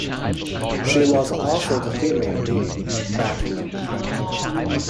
She was also the female lead in "BachelorMan".